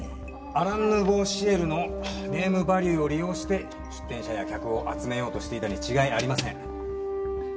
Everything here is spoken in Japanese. アラン・ヌーボー・シエルのネームバリューを利用して出店者や客を集めようとしていたに違いありません。